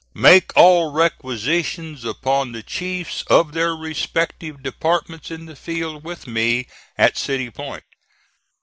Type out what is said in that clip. "Make all requisitions upon the chiefs of their respective departments in the field with me at City Point.